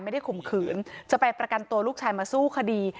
ข่มขืนจะไปประกันตัวลูกชายมาสู้คดี